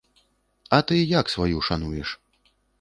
А ты як сваю шануеш?